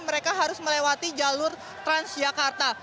mereka harus melewati jalur transjakarta